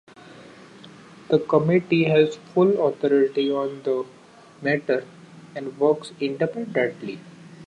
The committee has full authority on the matter and works independently.